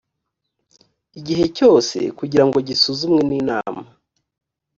igihe cyose kugira ngo gisuzumwe n’inama